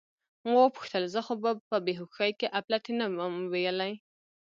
ما وپوښتل: زه خو به په بې هوښۍ کې اپلتې نه وم ویلي؟